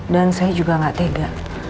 dan saya juga gak tega